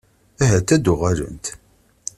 Ahat ad d-uɣalent?